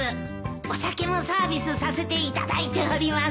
お酒もサービスさせていただいております。